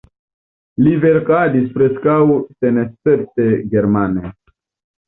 Li verkadis preskaŭ senescepte germane.